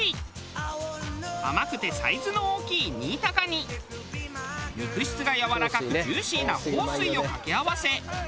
甘くてサイズの大きい新高に肉質がやわらかくジューシーな豊水をかけ合わせ